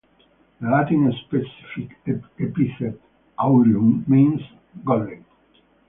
The Latin specific epithet "aureum" means "golden".